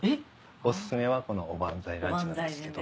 お薦めはこのおばんざいランチなんです。